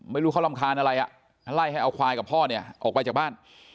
ไม่รู้เขารำคาญอะไรไล่ให้เอาควายกับพ่อเนี่ยออกไปจากบ้าน